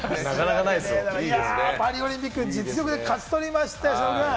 パリオリンピック、実力で勝ち取りましたよ、忍君。